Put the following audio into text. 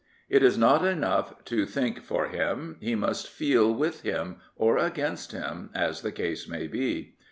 It is not enough to think for him : he must feel with him, or against him, as the case may be.